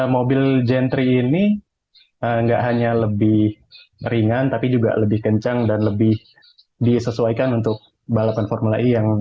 mobil jentry ini nggak hanya lebih ringan tapi juga lebih kencang dan lebih disesuaikan untuk balapan formula e